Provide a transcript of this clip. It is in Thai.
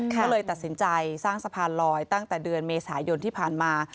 ก็เลยตัดสินใจสร้างสะพานลอยตั้งแต่เดือนเมษายนที่ผ่านมา